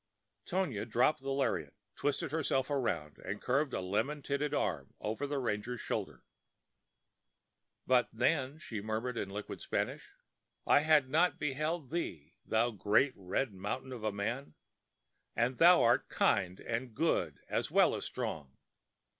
Tonia dropped the lariat, twisted herself around, and curved a lemon tinted arm over the ranger's shoulder. "But then," she murmured in liquid Spanish, "I had not beheld thee, thou great, red mountain of a man! And thou art kind and good, as well as strong.